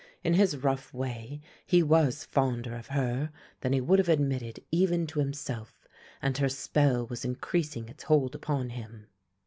In his rough way he was fonder of her than he would have admitted even to himself, and her spell was increasing its hold upon him.